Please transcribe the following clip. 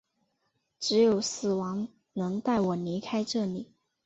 只有死亡能带我离开这里！